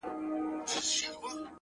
زموږ د كلي څخه ربه ښكلا كډه كړې-